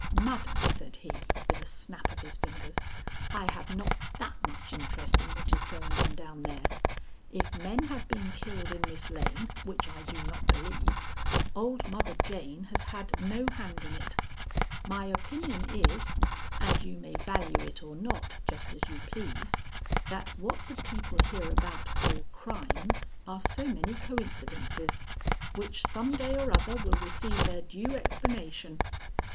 "Madam," said he, with a snap of his fingers, "I have not that much interest in what is going on down there. If men have been killed in this lane (which I do not believe), old Mother Jane has had no hand in it. My opinion is and you may value it or not, just as you please that what the people hereabout call crimes are so many coincidences, which some day or other will receive their due explanation.